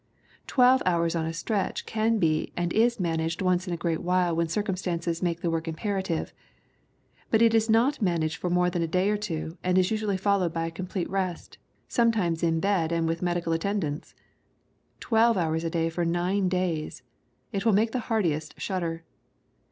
Twelve hours on a stretch can be and is managed once in a great while when circumstances make the work imperative; but it is not managed for more than a day or two and is usually followed by a complete rest, sometimes in bed and with medical attendance! Twelve hours a day for nine days it will make the hardiest shudder.